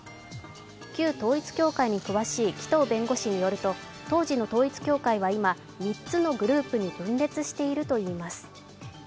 旧統一教会に詳しい紀藤弁護士によると当時の統一教会は今、３つのグループに分裂しているといいます。